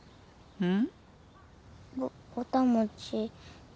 うん。